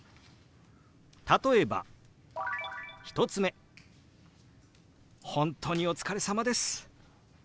例えば１つ目「本当にお疲れさまです」。